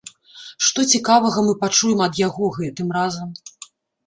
Што цікавага мы пачуем ад яго гэтым разам?